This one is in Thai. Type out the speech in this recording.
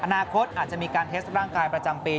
อาจจะมีการเทสร่างกายประจำปี